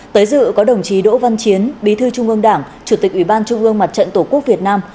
tới dự có đồng chí đỗ văn chiến bí thư trung ương đảng chủ tịch ủy ban trung ương mặt trận tổ quốc việt nam